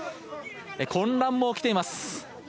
混乱も起きています。